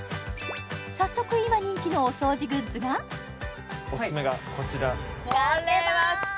早速今人気のお掃除グッズがオススメがこちら使ってます！